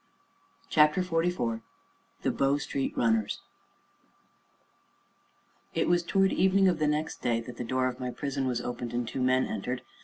CHAPTER XLIV THE BOW STREET RUNNERS It was toward evening of the next day that the door of my prison was opened, and two men entered.